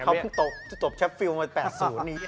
เขาตกแชฟฟิลล์มา๘๐นี้